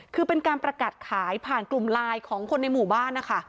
คือเป็นการประกาศขายผ่านกลุ่มไลน์ของคนในหมู่บ้านนะคะ